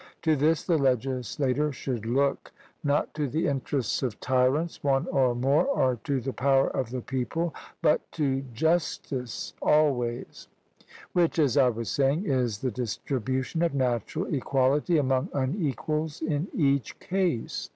To this the legislator should look, not to the interests of tyrants one or more, or to the power of the people, but to justice always; which, as I was saying, is the distribution of natural equality among unequals in each case.